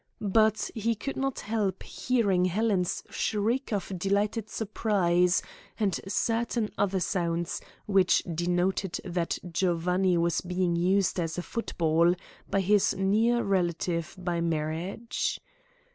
But he could not help hearing Helen's shriek of delighted surprise, and certain other sounds which denoted that Giovanni was being used as a football by his near relative by marriage.